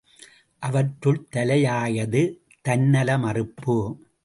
அவற்றுள் தலையாயது தன்னல மறுப்பு.